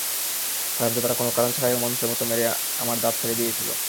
হারামজাদারা কোনো কারণ ছাড়াই অমানুষের মতো মেরে আমার দাঁত ফেলে দিয়েছিল।